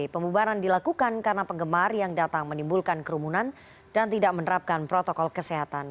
pembubaran dilakukan karena penggemar yang datang menimbulkan kerumunan dan tidak menerapkan protokol kesehatan